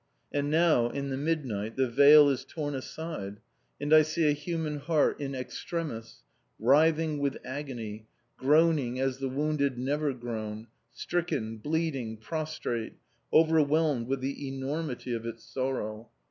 And now, in the midnight, the veil is torn aside, and I see a human heart in extremis, writhing with agony, groaning as the wounded never groan, stricken, bleeding, prostrate, overwhelmed with the enormity of its sorrow.